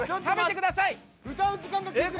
食べてください。